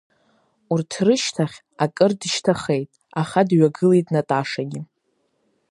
Урҭ рышьҭахь, акыр дышьҭахеит, аха дҩагылеит Наташагьы.